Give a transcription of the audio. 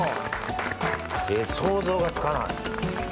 え想像がつかない。